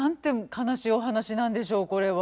悲しいお話なんでしょうこれは。